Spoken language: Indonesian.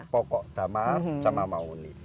pohon pokok damar sama maundi